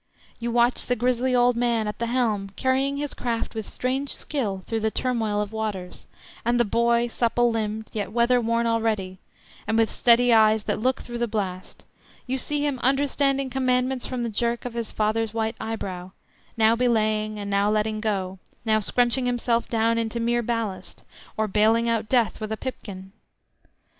You watch the grizzly old man at the helm carrying his craft with strange skill through the turmoil of waters, and the boy, supple limbed, yet weather worn already, and with steady eyes that look through the blast, you see him understanding commandments from the jerk of his father's white eyebrow, now belaying and now letting go, now scrunching himself down into mere ballast, or baling out death with a pipkin.